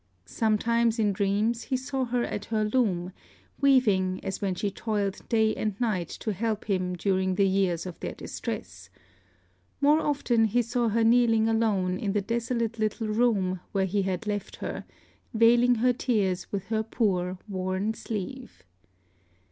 Sometimes in dreams he saw her at her loom, weaving as when she toiled night and day to help him during the years of their distress: more often he saw her kneeling alone in the desolate little room where he had left her, veiling her tears with her poor worn sleeve.